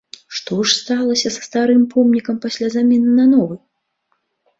Што ж сталася са старым помнікам пасля замены на новы?